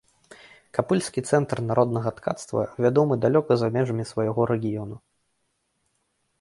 Капыльскі цэнтр народнага ткацтва вядомы далёка за межамі свайго рэгіёну.